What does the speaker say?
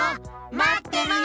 まってるよ！